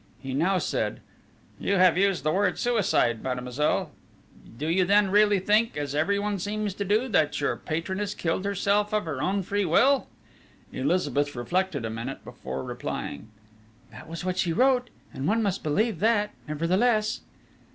He now said: "You have used the word 'suicide,' mademoiselle: do you then really think, as everyone seems to do, that your patroness killed herself of her own free will?" Elizabeth reflected a minute before replying: "That was what she wrote and one must believe that, nevertheless